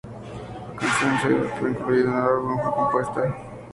La canción "Still Alive" incluida en el álbum, fue compuesta e interpretada por Lisa.